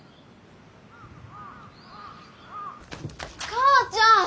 母ちゃん！